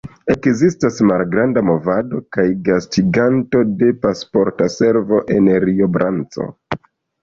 Ekzistas malgranda movado kaj gastiganto de Pasporta Servo en Rio Branco.